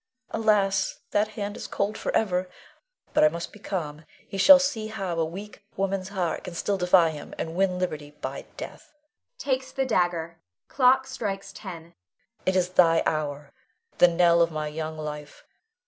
Alas, that hand is cold forever! But I must be calm. He shall see how a weak woman's heart can still defy him, and win liberty by death [takes the dagger; clock strikes ten]. It is the hour, the knell of my young life.